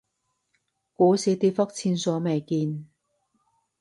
股市跌幅前所未見